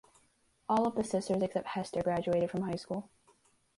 All of the sisters except Hester graduated from high school.